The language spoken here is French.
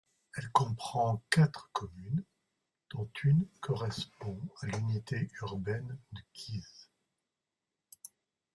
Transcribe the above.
Elle comprend quatre communes, dont une correspond à l'unité urbaine de Guise.